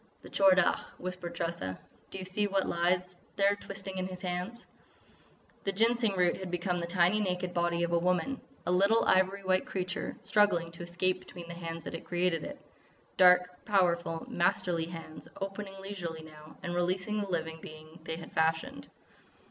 "The Tchor Dagh!" whispered Tressa. "Do you see what lies twisting there in his hands?" The Ginseng root had become the tiny naked body of a woman—a little ivory white creature, struggling to escape between the hands that had created it—dark, powerful, masterly hands, opening leisurely now, and releasing the living being they had fashioned.